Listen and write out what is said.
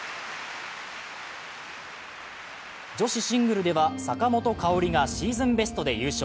女子シングルでは坂本花織がシーズンベストで優勝。